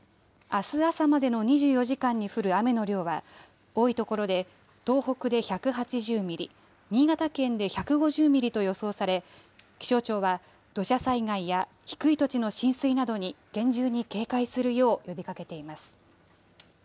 あす朝までの２４時間に降る雨の量は、多い所で東北で１８０ミリ、新潟県で１５０ミリと予想され、気象庁は土砂災害や、低い土地の浸水などに厳重に警戒するよう呼びかけています。